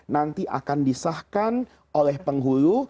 nanti akan disahkan oleh penghulu